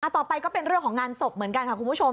ต่อไปก็เป็นเรื่องของงานศพเหมือนกันค่ะคุณผู้ชม